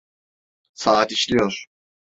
Saat işliyor.